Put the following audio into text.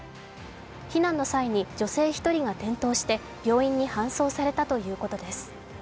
避難の際に女性１人が転倒して病院に搬送されたということです。